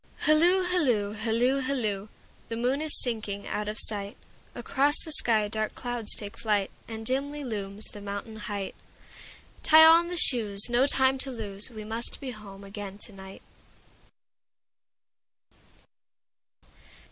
Hilloo, hilloo, hilloo, hilloo! The moon is sinking out of sight, Across the sky dark clouds take flight, And dimly looms the mountain height; Tie on the shoes, no time to lose, We must be home again to night.